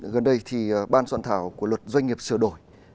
gần đây thì ban soạn thảo của luật doanh nghiệp sửa đổi